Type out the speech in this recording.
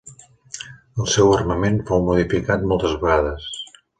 El seu armament fou modificat moltes vegades.